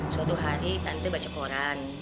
suatu hari tante baca koran